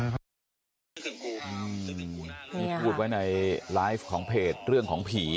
นี่พูดไว้ในไลฟ์ของเพจเรื่องของผี